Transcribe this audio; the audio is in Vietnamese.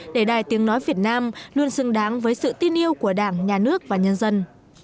để đài tiếng nói việt nam luôn xứng đáng với sự tin yêu của đảng nhà nước và nhân dân